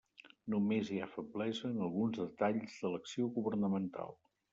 Només hi ha feblesa en alguns detalls de l'acció governamental.